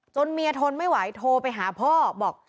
เมียทนไม่ไหวโทรไปหาพ่อบอก